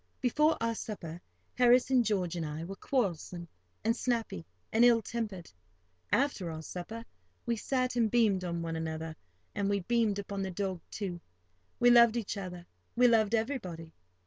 Before our supper, Harris and George and I were quarrelsome and snappy and ill tempered; after our supper, we sat and beamed on one another, and we beamed upon the dog, too. We loved each other, we loved everybody.